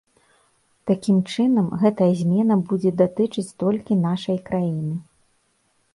Такім чынам, гэтая змена будзе датычыць толькі нашай краіны.